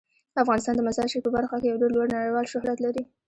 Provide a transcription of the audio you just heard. افغانستان د مزارشریف په برخه کې یو ډیر لوړ نړیوال شهرت لري.